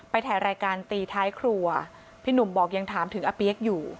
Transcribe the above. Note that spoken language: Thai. ถ่ายรายการตีท้ายครัวพี่หนุ่มบอกยังถามถึงอาเปี๊ยกอยู่